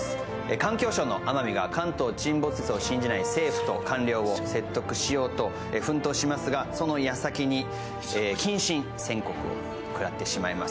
環境省の天海が関東沈没説を信じない政府と官僚を説得しようと奮闘しますが、その矢先に謹慎宣告を食らってしまいます。